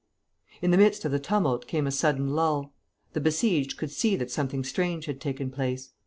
In the midst of the tumult came a sudden lull; the besieged could see that something strange had taken place.